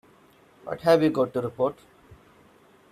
What have you got to report?